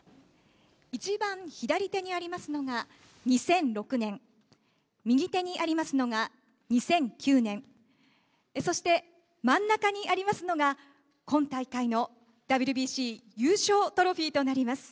一番左手にありますのが２００６年、右手にありますのが２００９年、そして、真ん中にありますのが今大会のＷＢＣ優勝トロフィーとなります。